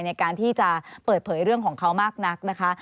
ในการที่จะเปิดเผยเรื่องของเขามากนักนะคะ